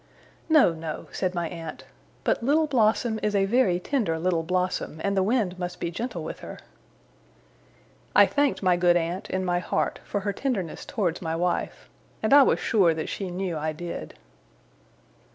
'No, no,' said my aunt. 'But Little Blossom is a very tender little blossom, and the wind must be gentle with her.' I thanked my good aunt, in my heart, for her tenderness towards my wife; and I was sure that she knew I did.